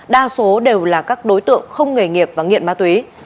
đa số đều là các đối tượng không nghề nghiệp và nghiện ma túy